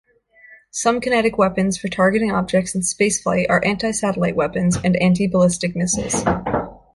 Some kinetic weapons for targeting objects in spaceflight are anti-satellite weapons and anti-ballistic missiles.